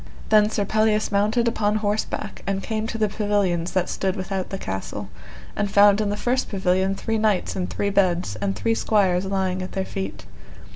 Then Sir Pelleas mounted upon horseback, and came to the pavilions that stood without the castle, and found in the first pavilion three knights in three beds, and three squires lying at their feet.